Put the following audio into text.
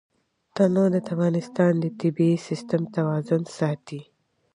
تنوع د افغانستان د طبعي سیسټم توازن ساتي.